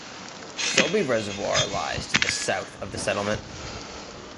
Sulby Reservoir lies to the south of the settlement.